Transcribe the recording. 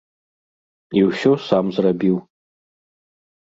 І ўсё сам зрабіў.